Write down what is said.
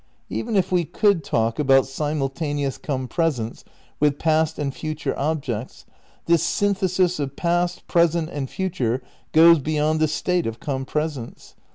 Even if we could talk about simultaneous compresence with past and future objects, this synthe sis of past, present and future goes beyond the state of compresence.